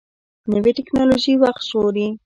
نوې ټکنالوژي وخت ژغوري